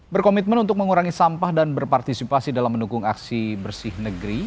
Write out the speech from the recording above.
berkomitmen untuk mengurangi sampah dan berpartisipasi dalam mendukung aksi bersih negeri